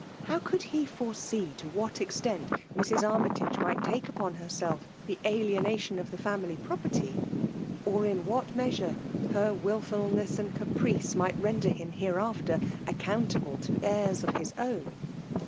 How eould he foresee to what extent Mrs. Axmytage might take upon herself the alienation of the family prepay; or in what measure her wilfolness and caprice might render him hereafter aeooustaible te heirs of his own